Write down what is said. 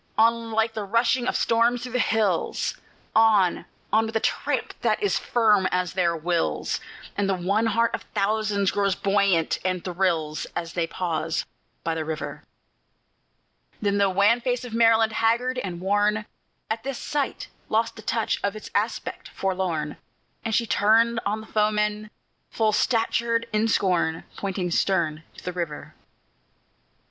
on! like the rushing of storms through the hills, On! on! with a tramp that is firm as their wills, And the one heart of thousands grows buoyant, and thrills, As they pause by the river. Then the wan face of Maryland, haggard and worn, At this sight lost the touch of its aspect forlorn, And she turned on the foemen, full statured in scorn, Pointing stern to the river.